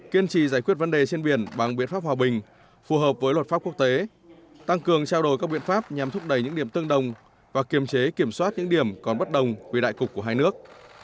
kiên trì giải quyết vấn đề trên biển bằng biện pháp hòa bình phù hợp với luật pháp quốc tế tăng cường trao đổi các biện pháp nhằm thúc đẩy những điểm tương đồng và kiềm chế kiểm soát những điểm còn bất đồng vì đại cục của hai nước